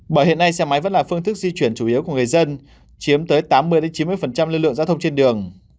bởi hiện nay xe máy vẫn là phương thức di chuyển chủ yếu của người dân chiếm tới tám mươi chín mươi lưu lượng giao thông trên đường